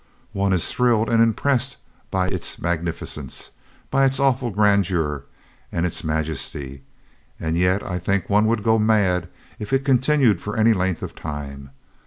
"One is thrilled and impressed by its magnificence, by its awful grandeur and its majesty, and yet I think one would go mad if it continued for any length of time.